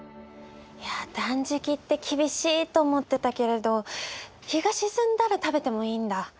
いや断食って厳しいと思ってたけれど日が沈んだら食べてもいいんだ。